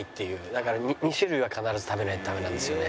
だから２種類は必ず食べないとダメなんですよね。